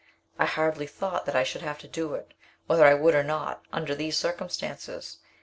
I hardly thought that I should have to do it, whether I would or not, under these circumstances.